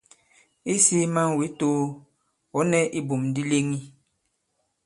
Isī man wě too, ɔ̌ nɛ ibum di leŋi.